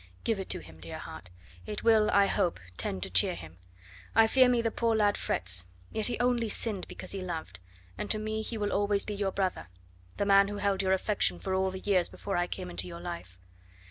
Give it to him, dear heart; it will, I hope, tend to cheer him. I fear me the poor lad frets; yet he only sinned because he loved, and to me he will always be your brother the man who held your affection for all the years before I came into your life.